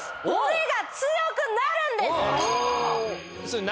骨が強くなるんです！